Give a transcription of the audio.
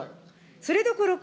それどころか、